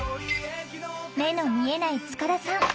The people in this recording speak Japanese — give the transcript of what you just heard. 目の見えない塚田さん